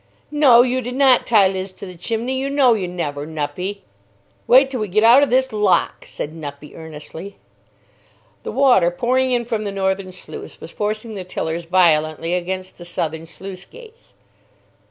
"No, you did not tie Liz to the chimney. You know you never, Nuppie." "Wait till we get out of this lock!" said Nuppie, earnestly. The water pouring in from the northern sluice was forcing the tillers violently against the southern sluice gates.